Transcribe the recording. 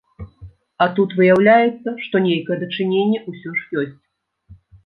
А тут выяўляецца, што нейкае дачыненне ўсё ж ёсць.